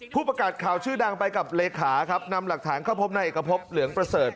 ผู้ประกาศข่าวชื่อดังไปกับเลขาครับนำหลักฐานเข้าพบในเอกพบเหลืองประเสริฐ